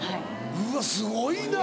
うわすごいな。